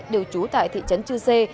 đều trú tại thị trấn chư sê